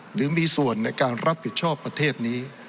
หรือมีส่วนในการรับผิดชอบประเทศนี้